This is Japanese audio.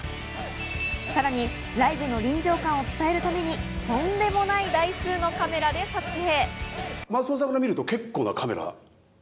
さらにライブの臨場感を伝えるためにとんでもない台数のカメラで撮影。